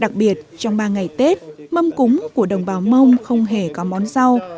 đặc biệt trong ba ngày tết mâm cúng của đồng bào mông không hề có món rau